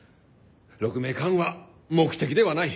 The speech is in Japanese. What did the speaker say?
鹿鳴館は目的ではない。